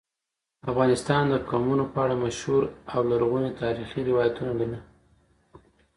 افغانستان د قومونه په اړه مشهور او لرغوني تاریخی روایتونه لري.